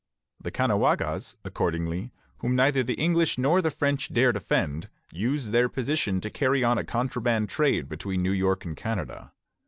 The Caughnawagas accordingly, whom neither the English nor the French dared offend, used their position to carry on a contraband trade between New York and Canada.